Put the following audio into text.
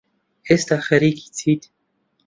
ئێستا خەریکی چیت؟